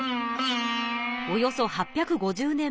およそ８５０年前。